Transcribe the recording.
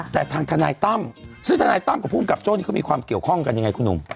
แต่ทางทนายตั้มซึ่งทนายตั้มกับภูมิกับโจ้นี่เขามีความเกี่ยวข้องกันยังไงคุณหนุ่ม